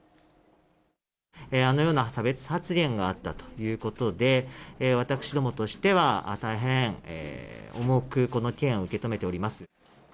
あのような差別発言があったということで、私どもとしては、大変重くこの件、受け止めております。